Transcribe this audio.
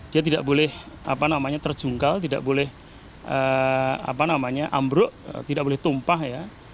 dia tidak boleh terjungkal tidak boleh ambruk tidak boleh tumpah ya